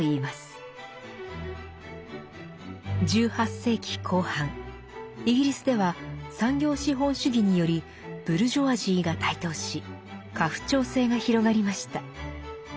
１８世紀後半イギリスでは産業資本主義によりブルジョワジーが台頭し家父長制が広がりました。